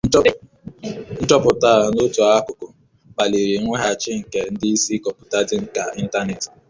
Nchọpụta a, n'otu akụkụ, kpaliri mweghachi nke ndị isi kọmputa dị ka ịntanetị.